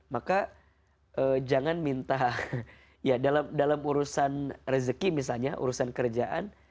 maka jangan minta ya dalam urusan rezeki misalnya urusan kerjaan